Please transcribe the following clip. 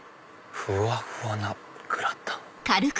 ふわふわなグラタン。